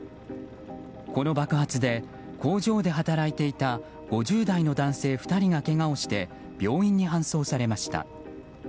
この爆発で、工場で働いていた５０代の男性２人がけがをして病院に搬送されました。